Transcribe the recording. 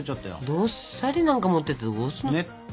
どっさりなんか持ってってどうするの？